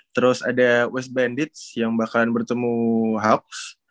terus ada west bandits yang bakalan bertemu hubs